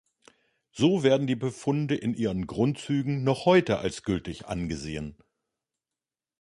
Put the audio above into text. So werden die Befunde in ihren Grundzügen noch heute als gültig angesehen.